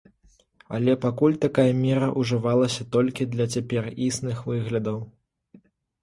Але пакуль такая мера ўжывалася толькі для цяпер існых выглядаў.